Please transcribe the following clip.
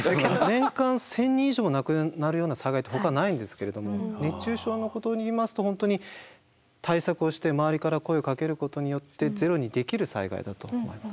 年間１，０００人以上亡くなるような災害ってほかないんですけれども熱中症のことでいいますと本当に対策をして周りから声をかけることによってゼロにできる災害だと思います。